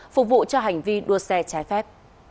phục vụ cho hành vi đua xe trái phép